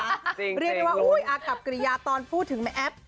ที่เรียนเรียกว่าอ้ายกลับกริโอโยค่ะตอนพูดถึงไหมแอฟ